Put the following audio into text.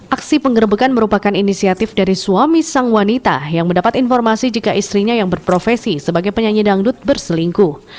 aksi pengerebekan merupakan inisiatif dari suami sang wanita yang mendapat informasi jika istrinya yang berprofesi sebagai penyanyi dangdut berselingkuh